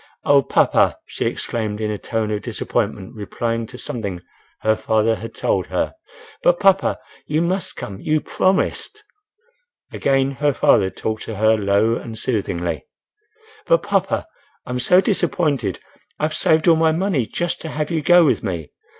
"Oh! papa!" she exclaimed in a tone of disappointment, replying to something her father had told her. "But papa you must come—You promised!" Again her father talked to her low and soothingly. "But papa—I'm so disappointed—I've saved all my money just to have you go with me.